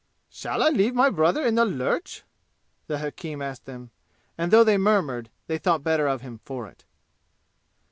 "Shall I leave my brother in the lurch?" the hakim asked them; and though they murmured, they thought better of him for it.